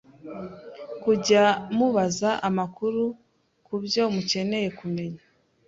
kujya mubaza amakuru ku byo mukeneye kumenya